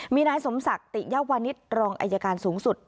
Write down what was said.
มีนายสมศักดิ์ติยวานิสรองอายการสูงสุด